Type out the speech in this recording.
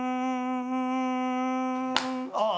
「あ」